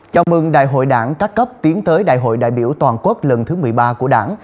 chào mừng đại hội đảng các cấp tiến tới đại hội đại biểu toàn quốc lần thứ một mươi ba của đảng